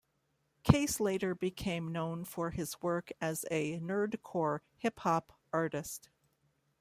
Case later became known for his work as a Nerdcore hip hop artist.